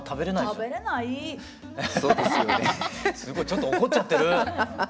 ちょっと怒っちゃってる。